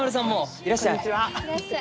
いらっしゃい！